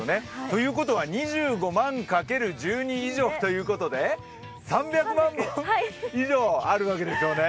ということは２５万掛ける１２ということで３００万本以上あるわけですよね。